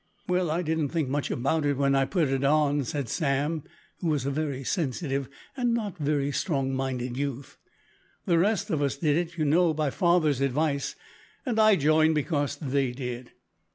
"Well, I didn't think much about it when I put it on," said Sam, who was a very sensitive, and not very strong minded youth; "the rest of us did it, you know, by father's advice, and I joined because they did."